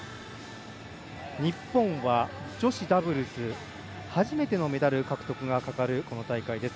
日本は、女子ダブルス初めてのメダル獲得がかかるこの大会です。